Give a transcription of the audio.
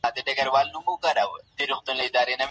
صحي چاپیریال د روغ بدن لپاره مهم دی.